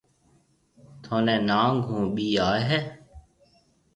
ٿونَي ناگ هون ٻئيِ آئي هيَ۔